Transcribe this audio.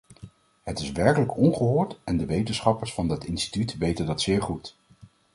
Het is werkelijk ongehoord, en de wetenschappers van dat instituut weten dat zeer goed.